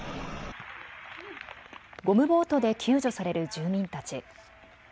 ゴムボートで救助される住民たち。